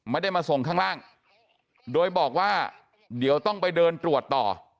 ไม่ได้มาส่งข้างล่างโดยบอกว่าเดี๋ยวต้องไปเดินตรวจต่อ